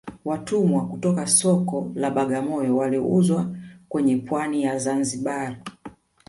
Watumwa kutoka soko la bagamoyo waliuzwa kwenye pwani ya zanzibar